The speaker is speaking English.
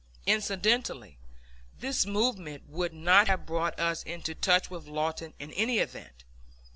Incidentally, this movement would not have brought us into touch with Lawton in any event.